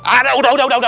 aduh udah udah udah